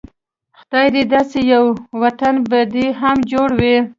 خدايه داسې يو وطن به دې هم جوړ و